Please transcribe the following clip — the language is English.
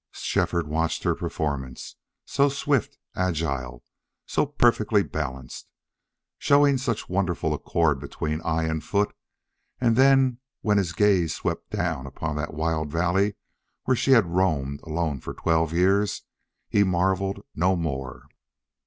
Shefford watched her performance, so swift, agile, so perfectly balanced, showing such wonderful accord between eye and foot; and then when he swept his gaze down upon that wild valley where she had roamed alone for twelve years he marveled no more.